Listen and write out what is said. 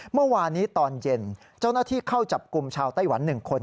เมื่อวานนี้ตอนเย็นเจ้าหน้าที่เข้าจับกลุ่มชาวไต้หวัน๑คน